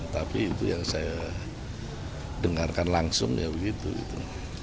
tapi itu yang saya dengarkan langsung ya begitu gitu